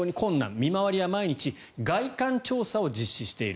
見回りは毎日外観調査を行っている。